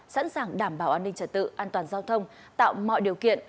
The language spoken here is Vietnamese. sẵn sàng đảm bảo an ninh trật tự an toàn giao thông tạo mọi điều kiện